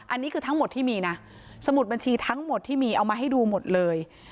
อันนี้คือทั้งหมดที่มีนะสมุดบัญชีทั้งหมดที่มีเอามาให้ดูหมดเลย